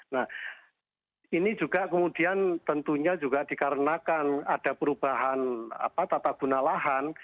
nah ini juga kemudian tentunya juga dikarenakan ada perubahan tata guna lahan